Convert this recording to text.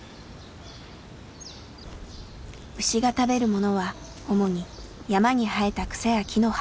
牛が食べるものは主に山に生えた草や木の葉。